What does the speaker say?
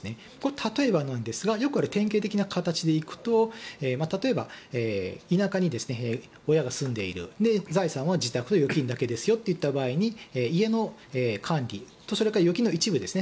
例えばなんですがよくある典型的な形で行くと例えば、田舎に親が住んでいる財産は自宅の預金だけですよといった時に家の管理それから預金の一部ですね